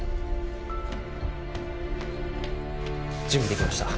準備できました。